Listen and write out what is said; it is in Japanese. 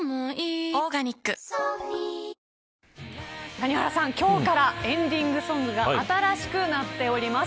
谷原さん、今日からエンディングソングが新しくなっております。